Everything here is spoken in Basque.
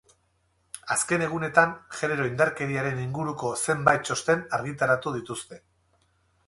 Azken egunetan genero indarkeriaren inguruko zenbait txosten argitaratu dituzte.